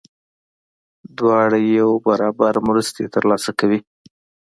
دواړه یو برابر مرستې ترلاسه کوي.